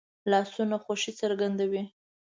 لاسونه خوښي څرګندوي